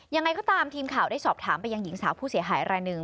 ยังไงก็ตามทีมข่าวได้สอบถามไปยังหญิงสาวผู้เสียหายรายหนึ่ง